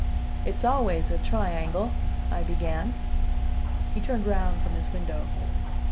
"It's always a triangle," I began. He turned round from his window.